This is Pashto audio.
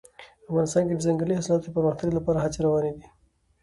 افغانستان کې د ځنګلي حاصلاتو د پرمختګ لپاره هڅې روانې دي.